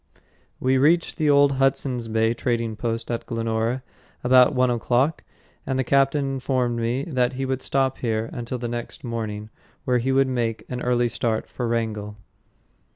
We reached the old Hudson's Bay trading post at Glenora about one o'clock, and the captain informed me that he would stop here until the next morning, when he would make an early start for Wrangell.